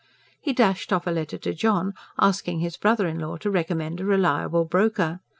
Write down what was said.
He dashed off a letter to John, asking his brother in law to recommend a reliable broker.